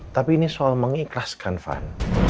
tapi ini soal mengikhlaskan van